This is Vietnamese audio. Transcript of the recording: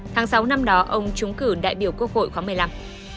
tháng sáu năm đó ông trúng cử đại biểu quốc hội khóa một mươi năm